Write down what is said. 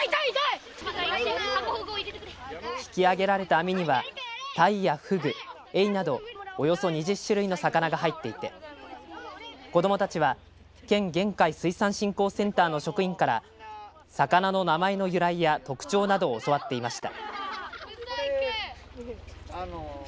引き上げられた網にはたいやふぐ、エイなどおよそ２０種類の魚が入っていて子どもたちは県玄海水産振興センターの職員から魚の名前の由来や特徴などを教わっていました。